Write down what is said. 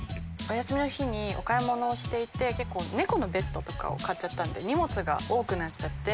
お休みの日にお買い物をしていて猫のベッドとかを買ったんで荷物が多くなっちゃって。